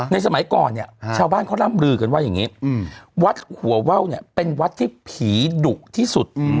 ในสมัยก่อนเนี่ยชาวบ้านเขาร่ำรือกันว่าวัดหัววัวเป็นวัดที่ผีดุขึ้นที่สุด